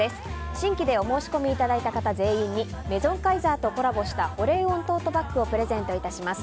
新規でお申し込みいただいた方全員にメゾンカイザーとコラボした保冷温トートバッグをプレゼントいたします。